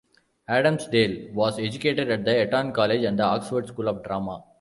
Adamsdale was educated at Eton College and the Oxford School of Drama.